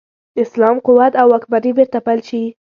اسلام قوت او واکمني بیرته پیل شي.